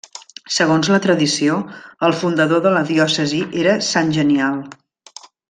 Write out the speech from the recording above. Segons la tradició, el fundador de la diòcesi era sant Genial.